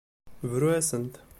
Bru-asent.